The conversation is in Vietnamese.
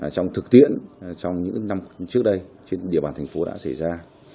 trong thực tiễn trong những năm trước đây trên địa bàn thành phố đã xảy ra